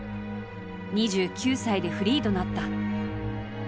２９歳でフリーとなった。